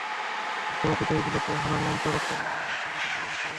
মধ্যপ্রাচ্যের দেশগুলোতে হালাল মাংস রপ্তানি আমাদের জন্য একটি বিশাল বাজার হতে পারে।